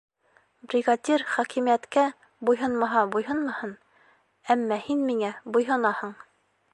Бригадир хакимиәткә буйһонмаһа буйһонмаһын, әммә һин миңә буйһонаһың.